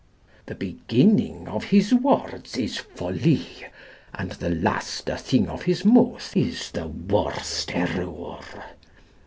The bigynnyng of &»* wordis is foli ; and the laste thing of his mouth is the worste errour.